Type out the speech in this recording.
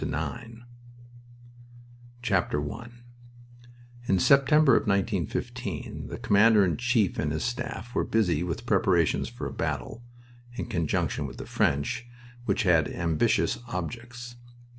THE NATURE OF A BATTLE I In September of 1915 the Commander in Chief and his staff were busy with preparations for a battle, in conjunction with the French, which had ambitious objects.